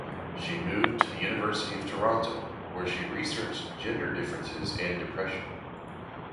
She moved to the University of Toronto where she researched gender differences and depression.